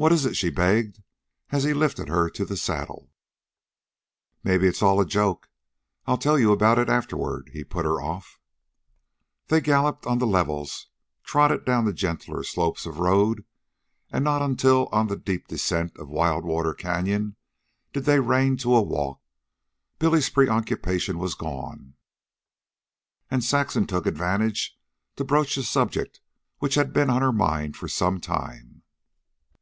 "What is it?" she begged, as he lifted her to the saddle. "Maybe it's all a joke I'll tell you about it afterward," he put her off. They galloped on the levels, trotted down the gentler slopes of road, and not until on the steep descent of Wild Water canyon did they rein to a walk. Billy's preoccupation was gone, and Saxon took advantage to broach a subject which had been on her mind for some time.